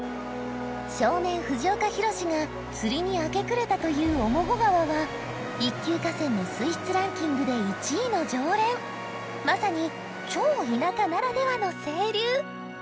少年藤岡弘、が釣りにあけくれたという面河川は１級河川の水質ランキングで１位の常連まさに超田舎ならではの清流！